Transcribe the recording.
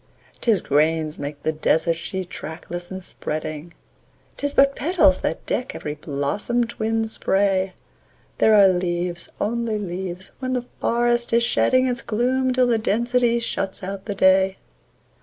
'Tis grains make the desert sheet, trackless and spreading; 'Tis but petals that deck every blossom twinned spray; There are leaves only leaves where the forest is shedding Its gloom till the density shuts out the day.